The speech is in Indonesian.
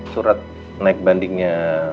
surat naik bandingnya